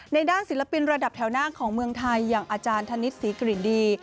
ด้านศิลปินระดับแถวหน้าของเมืองไทยอย่างอาจารย์ธนิษฐศรีกลิ่นดี